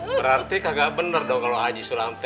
berarti kagak bener dong kalau haji sulam t